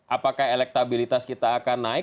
apakah elektabilitas kita akan naik